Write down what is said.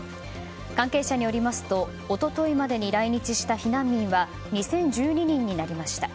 関係者によりますと一昨日までに来日した避難民は２０１２人になりました。